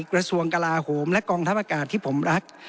กระทรวงกลาโหมและกองทัพอากาศที่ผมรัก